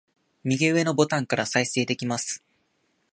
右上のボタンから再生できます